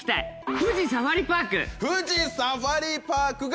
富士サファリパークは。